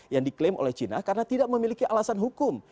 yang diklaim oleh china karena tidak memiliki alasan hukum